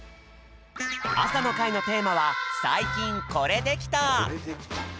朝の会のテーマは「最近コレできた」